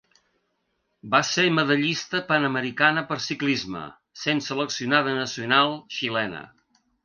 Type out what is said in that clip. Va ser medallista panamericana per ciclisme, sent seleccionada nacional xilena.